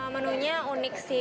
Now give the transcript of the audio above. menunya unik sih